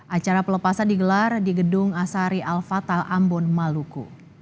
acara pelepasan digelar di gedung asari al fatal ambon maluku